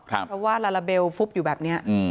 เพราะว่าลาลาเบลฟุบอยู่แบบนี้